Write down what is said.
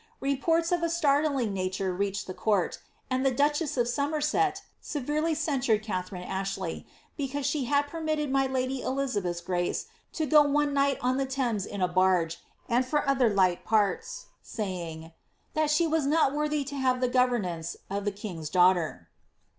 Reports of a startling nature reached the court, and the duchess of Somerset severely censured Katharine Ashley ^' because she had per mitted my lady Elizabeth^s grace to go one night on the Thames in a barge, and for other light parts," saying, '^ that she was not worthy to have the governance of a king's daughter."